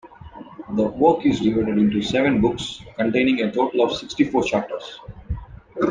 The work is divided into seven "books" containing a total of sixty-four chapters.